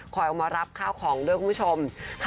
ออกมารับข้าวของด้วยคุณผู้ชม